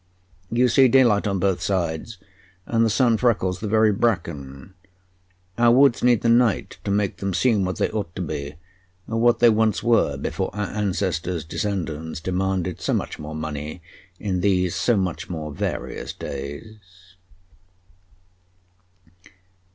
You see daylight on both sides, and the sun freckles the very bracken. Our woods need the night to make them seem what they ought to be what they once were, before our ancestors' descendants demanded so much more money, in these so much more various days."